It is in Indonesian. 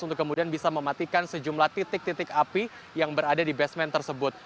untuk kemudian bisa mematikan sejumlah titik titik api yang berada di basement tersebut